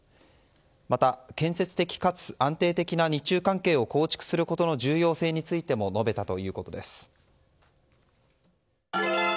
また、建設的かつ安定的な日中関係を構築することの重要性についても述べたということです。